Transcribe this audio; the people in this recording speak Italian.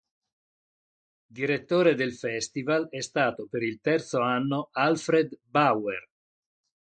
Direttore del festival è stato per il terzo anno Alfred Bauer.